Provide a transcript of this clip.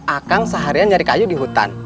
akang seharian nyari kayu di hutan